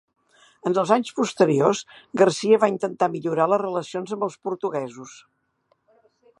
En els anys posteriors Garcia va intentar millorar les relacions amb els portuguesos.